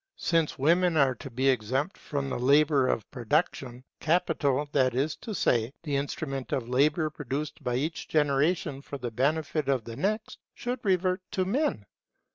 Since women are to be exempt from the labour of production, capital, that is to say, the instruments of labour produced by each generation for the benefit of the next, should revert to men.